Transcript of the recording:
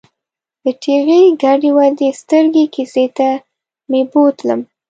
د ټېغې ګډې ودې سترګې کیسې ته مې بوتلم.